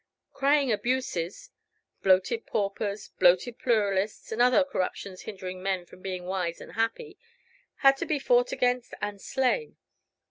Crying abuses "bloated paupers," "bloated pluralists," and other corruptions hindering men from being wise and happy had to be fought against and slain.